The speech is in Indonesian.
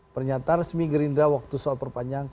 pernyataan resmi gerindra waktu soal perpanjangan